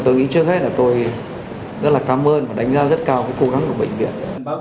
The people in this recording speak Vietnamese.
tôi nghĩ trước hết là tôi rất là cảm ơn và đánh giá rất cao cố gắng của bệnh viện